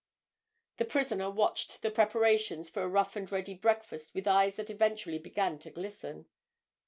The prisoner watched the preparations for a rough and ready breakfast with eyes that eventually began to glisten.